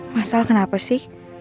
masa lah kenapa sih